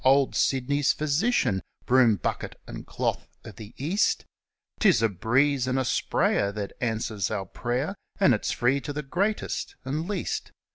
Old Sydney's Physician ! Broom, Bucket, and Cloth of the East ! 'Tis a breeze and a sprayer that answers our prayer, And it's free to the greatest and least.